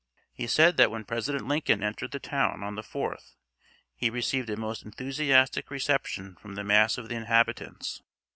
He said that when President Lincoln entered the town on the 4th he received a most enthusiastic reception from the mass of the inhabitants.